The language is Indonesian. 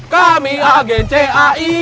kami agen cai